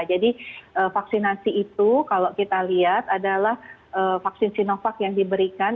jadi vaksinasi itu kalau kita lihat adalah vaksin sinovac yang diberikan